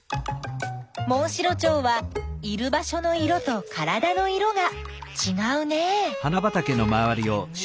モンシロチョウはいる場所の色とからだの色がちがうね。